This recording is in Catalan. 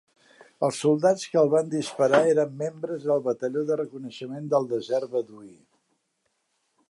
Els soldats que el van disparar eren membres del Batalló de reconeixement del desert beduí.